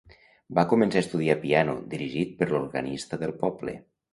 Va començar a estudiar piano, dirigit per l'organista del poble.